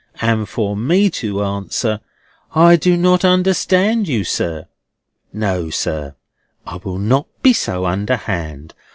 and for me to answer, 'I do not understand you, sir.' No, sir, I will not be so underhand.